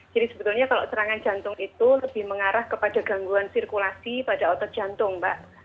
jadi sebetulnya kalau serangan jantung itu lebih mengarah kepada gangguan sirkulasi pada otot jantung mbak